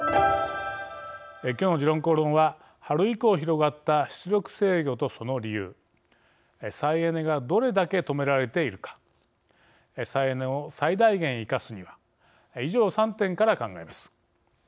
今日の「時論公論」は春以降広がった出力制御とその理由再エネがどれだけ止められているか再エネを最大限生かすには以上３点から考えます。